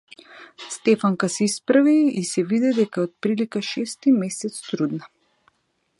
Стефанка се исправи и се виде дека е отприлика шести месец трудна.